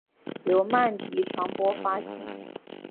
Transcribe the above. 由曼迪传播发行。